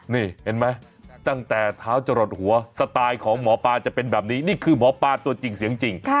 นี่เห็นไหมตั้งแต่เท้าจะหลดหัวสไตล์ของหมอปลาจะเป็นแบบนี้นี่คือหมอปลาตัวจริงเสียงจริง